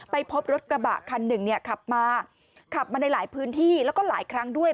ไปพบรถกระบะคันหนึ่งเนี่ยขับมาขับมาในหลายพื้นที่แล้วก็หลายครั้งด้วย